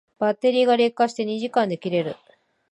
バッテリーが劣化して二時間で切れる